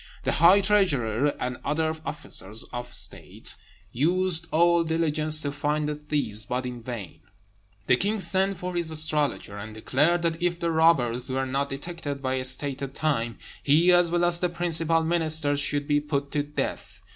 The high treasurer and other officers of state used all diligence to find the thieves, but in vain. The king sent for his astrologer, and declared that if the robbers were not detected by a stated time, he, as well as the principal ministers, should be put to death.